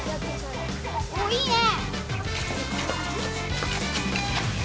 おいいね！